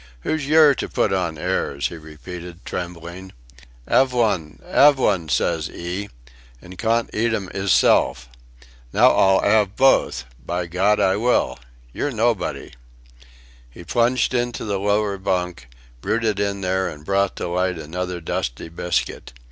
"Who's yer to put on airs," he repeated, trembling. "'Ave one 'ave one, says 'ee an' cawn't eat 'em 'isself. Now I'll 'ave both. By Gawd I will! Yer nobody!" He plunged into the lower bunk, rooted in there and brought to light another dusty biscuit.